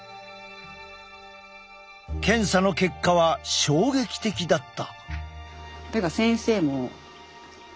検査の結果は衝撃的だった。